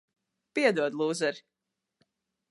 Piedod, lūzeri.